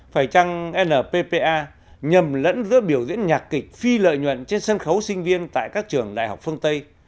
phải chăng nppa nhầm lẫn giữa biểu diễn nhạc kịch phi lợi nhuận trên sân khấu sinh viên tại các trường đại học phương tây